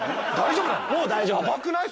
もう大丈夫よ。